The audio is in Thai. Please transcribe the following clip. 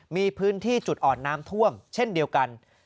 มีพื้นที่จุดอ่อนน้ำท่วมเช่นเดียวกัน